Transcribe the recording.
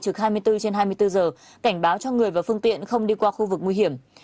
trực hai mươi bốn trên hai mươi bốn giờ cảnh báo cho người và phương tiện không đi qua khu vực nguy hiểm